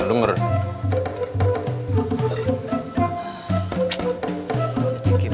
gimana ya denger